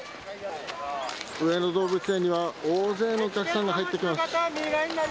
上野動物園には、大勢のお客さんが入っていきます。